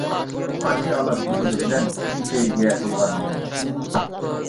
قارشى ئالار ۋۇجۇدى بىلەن، چىن سۆيگۈگە تولغان يۈرەكنى.